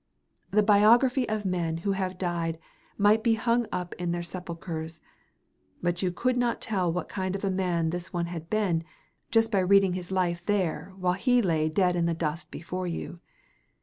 The biography of men who have died might be hung up in their sepulchres; but you could not tell what kind of a man this one had been, just by reading his life there while he lay dead in dust before you.